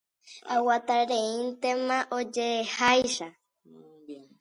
Aguatareíntema oje'eháicha.